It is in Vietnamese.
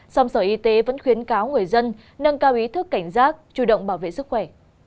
song sở y tế vẫn khuyến cáo người dân nâng cao ý thức cảnh giác chủ động bảo vệ sức khỏe